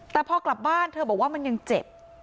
แต่พอกลับบ้านเธอบอกว่ามันยังเจ็บ